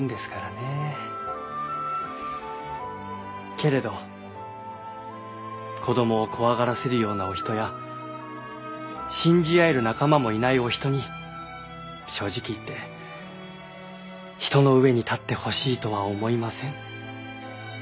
けれど子どもを怖がらせるようなお人や信じ合える仲間もいないお人に正直言って人の上に立ってほしいとは思いません。